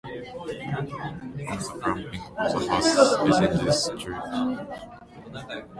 All the plumbing of the house is in this strip.